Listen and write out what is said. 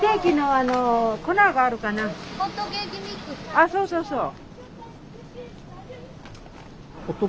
あそうそうそう。